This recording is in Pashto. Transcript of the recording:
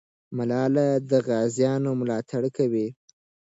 ملالۍ د غازیانو ملاتړ کوي.